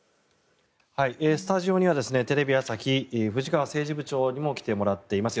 スタジオにはテレビ朝日、藤川政治部長にも来てもらっています。